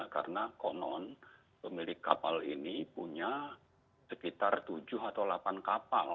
karena konon pemilik kapal ini punya sekitar tujuh atau lapan kapal